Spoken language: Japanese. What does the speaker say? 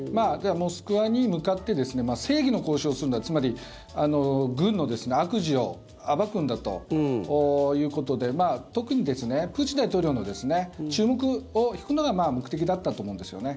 モスクワに向かって正義の行進をするんだつまり軍の悪事を暴くんだということで特にプーチン大統領の注目を引くのが目的だったと思うんですよね。